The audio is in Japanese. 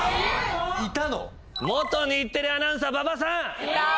元日テレアナウンサー馬場さん。